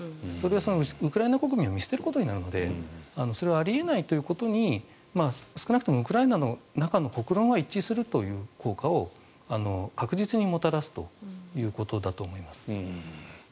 それはウクライナ国民を見捨てることになるのでそれはあり得ないということに少なくともウクライナの中の国論は一致するという効果を確実にもたらすということだと思います。